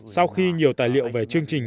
sau khi nhiều tài liệu về chương trình